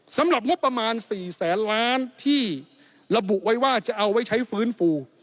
สำหรับงบประมาณ๔แสนล้านที่ระบุไว้ว่าจะเอาไว้ใช้ฟื้นฟู